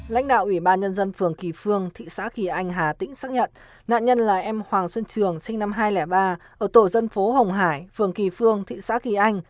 lãnh đạo ủy ban nhân dân phường kỳ phương thị xã kỳ anh hà tĩnh xác nhận nạn nhân là em hoàng xuân trường sinh năm hai nghìn ba ở tổ dân phố hồng hải phường kỳ phương thị xã kỳ anh